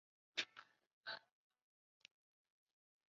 申东烨是韩国的一名主持人及喜剧演员。